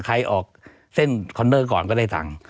ใครออกเส้นคอนเนอร์ก่อนก็ได้สั่ง